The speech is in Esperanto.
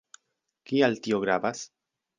Kial tio gravas?